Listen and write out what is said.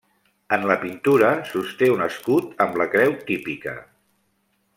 En la pintura, sosté un escut amb la creu típica.